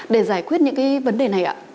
để giải quyết những vấn đề này ạ